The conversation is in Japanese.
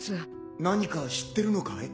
何か知ってるのかい？